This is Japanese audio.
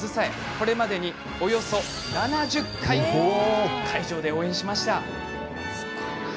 これまでに、およそ７０回会場で応援しました。